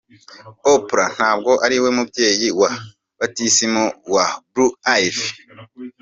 Oprah ntabwo ariwe mubyeyi wa batisimu wa Blue Ivy.